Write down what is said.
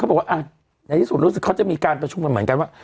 บอกว่าในที่สุดรู้สึกเขาจะมีการประชุมกันเหมือนกันว่า